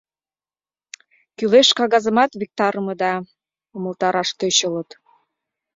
Кӱлеш кагазымат виктарыме да... — умылтараш тӧчылыт.